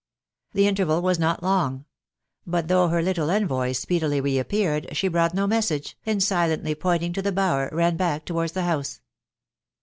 The interval was not long; but though her little envoy speedily re appeared, she brought no message, and silently pointing to the bower, ran back towards the house.